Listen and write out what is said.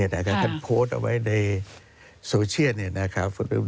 ท่านโพสต์เอาไว้ในโซเชียล